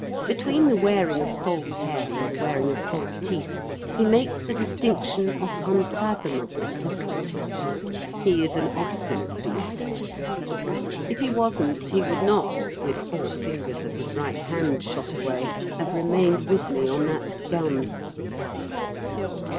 Between the wearing of false hair and the wearing of false teeth he makes a distinction of unfathomable subtlety. He is an obstinate beast. If he wasn't he would not, with four fingers of his right hand shot away, have remained with me on that gun.